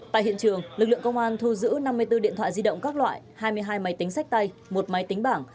tại hiện trường lực lượng công an thu giữ năm mươi bốn điện thoại di động các loại hai mươi hai máy tính sách tay một máy tính bảng